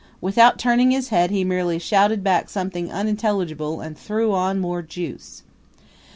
Without turning his head he merely shouted back something unintelligible and threw on more juice.